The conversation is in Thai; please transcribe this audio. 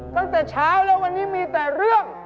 ตั้งแต่เช้าแล้ววันนี้มีแต่เรื่อง